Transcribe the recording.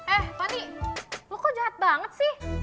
eh tony lo kok jahat banget sih